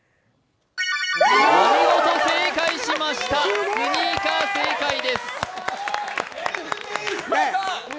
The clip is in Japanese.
見事正解しました、スニーカー、正解です。